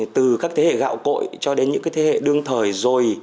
từ các thế hệ gạo cội cho đến những thế hệ đương thời rồi